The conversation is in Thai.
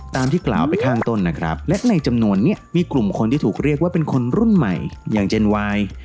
ตามที่กล่าวไปข้างต้นนะครับและในจำนวนนี้มีกลุ่มคนที่ถูกเรียกว่าเป็นคนรุ่นใหม่อย่างเจนวาย